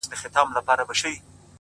و تاته د جنت حوري غلمان مبارک،